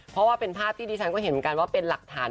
เพราะว่าเป็นภาพที่ดิฉันก็เห็นเหมือนกันว่าเป็นหลักฐาน